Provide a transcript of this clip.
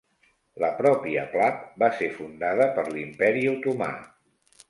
La pròpia Plav va ser fundada per l'imperi otomà.